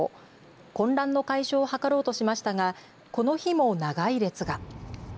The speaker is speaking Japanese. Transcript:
混乱の解消を図ろうとしましたがこの日も長い列が。